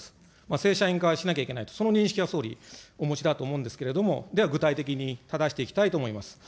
正社員化はしなきゃいけないと、その認識は総理、お持ちだと思うんですけれども、では具体的にただしていきたいと思います。